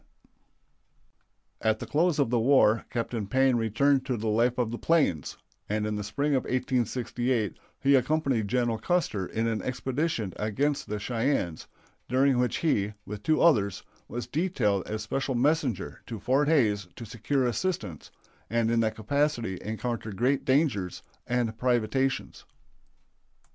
CUSTER.] At the close of the war Captain Payne returned to the life of the plains, and in the spring of 1868 he accompanied General Custer in an expedition against the Cheyennes, during which he, with two others, was detailed as special messenger to Fort Hays to secure assistance, and in that capacity encountered great dangers and privations.